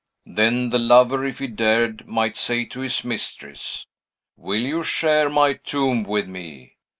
Then the lover, if he dared, might say to his mistress, 'Will you share my tomb with me?